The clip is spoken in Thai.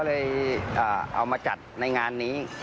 เลยเอามาจัดในงานนี้